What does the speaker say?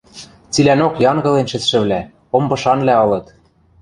Цилӓнок янгылен шӹцшӹвлӓ, омпышанвлӓ ылыт.